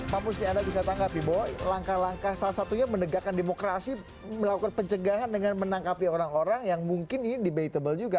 pak musni anda bisa tanggapi bahwa langkah langkah salah satunya menegakkan demokrasi melakukan pencegahan dengan menangkapi orang orang yang mungkin ini debatable juga